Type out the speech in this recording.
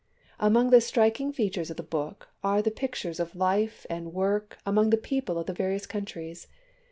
Among the striking features of the book are the pic 8^)3 6 PREFACE. tures of life and work among the people of the various countries.